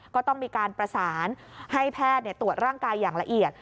ก็ต้องมีการประสานให้แพทย์ตรวจร่างกายอย่างละเอียด